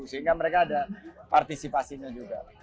sehingga mereka ada partisipasinya juga